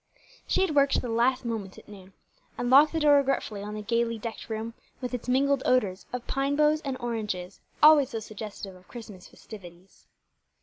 She had worked till the last moment at noon, and locked the door regretfully on the gayly decked room, with its mingled odors of pine boughs and oranges, always so suggestive of Christmas festivities.